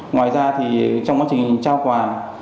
ngoài ra thì trong quá trình trao quà